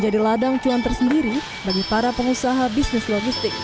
jadi ladang cuan tersendiri bagi para pengusaha bisnis logistik